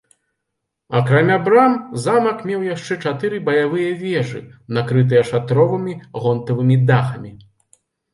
Акрамя брам замак меў яшчэ чатыры баявыя вежы, накрытыя шатровымі гонтавымі дахамі.